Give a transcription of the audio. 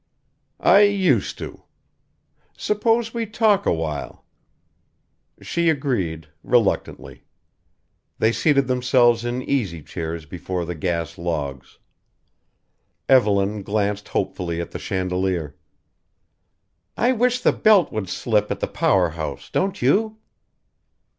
"I used to Suppose we talk awhile." She agreed reluctantly. They seated themselves in easy chairs before the gas logs. Evelyn glanced hopefully at the chandelier. "I wish the belt would slip at the power house, don't you?"